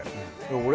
俺？